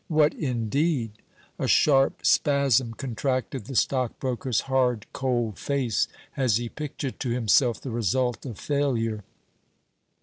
What indeed? A sharp spasm contracted the stockbroker's hard cold face as he pictured to himself the result of failure.